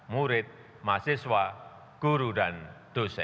murid mahasiswa guru dan dosen